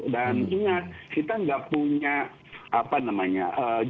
dan ingat kita nggak punya jaminan bahwa kita bisa melandaikan kurvan